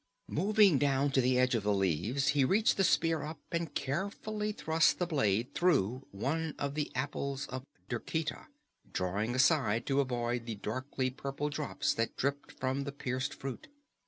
Moving down to the edge of the leaves, he reached the spear up and carefully thrust the blade through one of the Apples of Derketa, drawing aside to avoid the darkly purple drops that dripped from the pierced fruit.